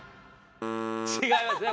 違いますね